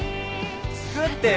作ってよ！